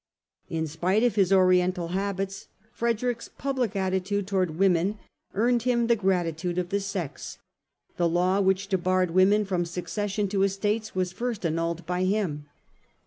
In spite of his Oriental habits Frederick's public attitude towards women earned him the gratitude of the sex : the law which debarred women from succession to estates was first annulled by him.